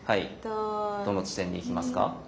どの地点に行きますか？